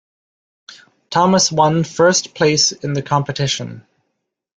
Thomas one first place in the competition.